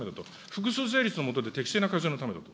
複数税率のもとで適正な課税のためだと。